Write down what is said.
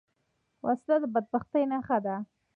وسله د بدبختۍ نښه ده